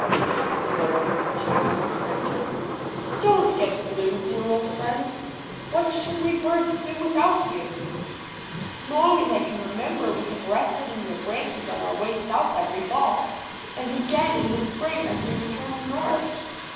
peeped the birds perched upon its branches. "Don't get blue. THE WILLOW'S WISH. 113 dear old frifend; what should we birds do without you? As long as I can remember we have rested in your branches on our way south every fall, and again in the spring as we returned north.